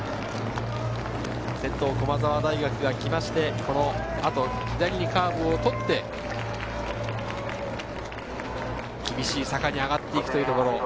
先頭、駒澤大学が来てこのあと左にカーブを取って厳しい坂に上がっていきます。